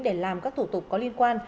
để làm các thủ tục có liên quan